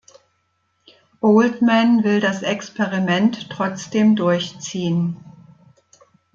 Oldman will das Experiment trotzdem durchziehen.